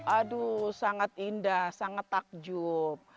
aduh sangat indah sangat takjub